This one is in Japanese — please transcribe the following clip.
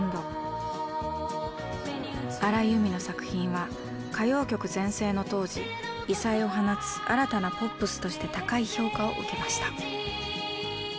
荒井由実の作品は歌謡曲全盛の当時異彩を放つ新たなポップスとして高い評価を受けました。